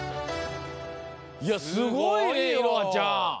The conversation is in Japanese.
いやすごいよいろはちゃん！